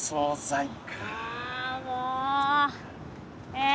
え？